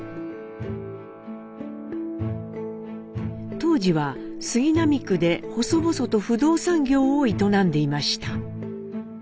東二は杉並区で細々と不動産業を営んでいました。